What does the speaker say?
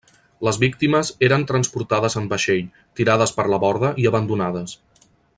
Les víctimes eren transportades en vaixell, tirades per la borda i abandonades.